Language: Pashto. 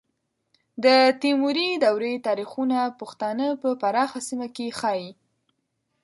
د تیموري دورې تاریخونه پښتانه په پراخه سیمه کې ښیي.